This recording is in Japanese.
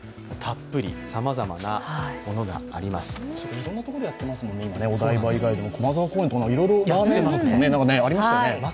いろいろなところで今、やってますもんね、お台場以外でも。駒沢公園とかでもいろいろ、やってましたよね。